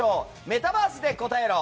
メタバースで答えろ！！